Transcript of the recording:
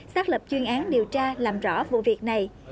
xác lập chuyên án điều tra làm rõ vụ việc này